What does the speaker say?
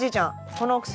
このお薬